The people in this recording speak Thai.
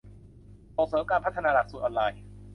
ส่งเสริมการพัฒนาหลักสูตรออนไลน์